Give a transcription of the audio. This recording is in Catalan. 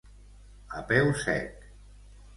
A peu sec.